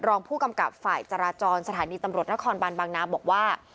รองผู้กำกับฝ่ายจราจรสถานีตำรวจนครบานบางนาบอกว่า